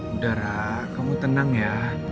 udara kamu tenang ya